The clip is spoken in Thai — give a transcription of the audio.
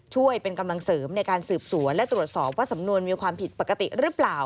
ช่วยเป็นกำลังเสริมในการสืบสวนและตรวจสอบว่าสำนวนมีความผิดปกติหรือเปล่า